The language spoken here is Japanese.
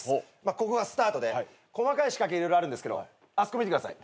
ここがスタートで細かい仕掛け色々あるんですけどあそこ見てください。